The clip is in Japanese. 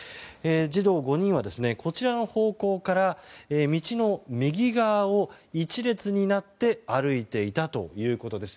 児童５人はこちらの方向から道の右側を１列になって歩いていたということです。